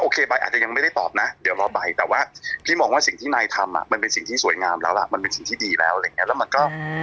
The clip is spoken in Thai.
ใบอาจจะยังไม่ได้ตอบนะเดี๋ยวรอใบแต่ว่าพี่มองว่าสิ่งที่นายทำอ่ะมันเป็นสิ่งที่สวยงามแล้วล่ะมันเป็นสิ่งที่ดีแล้วอะไรอย่างเงี้แล้วมันก็